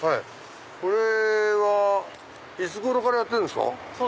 これはいつ頃からやってるんですか？